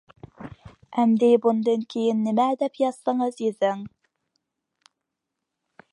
ئەمدى بۇندىن كېيىن نېمە دەپ يازسىڭىز يېزىڭ.